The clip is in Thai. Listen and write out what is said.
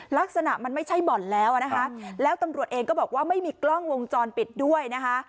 ลักษณะมันไม่ใช่บ่อนแล้วอ่ะนะคะแล้วตำรวจเองก็บอกว่าไม่มีกล้องวงจรปิดด้วยนะคะ